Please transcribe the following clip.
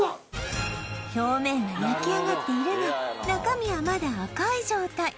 表面は焼き上がっているが中身はまだ赤い状態